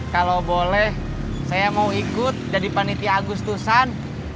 kalau boleh saya mau ikut jadi paniti agus tusan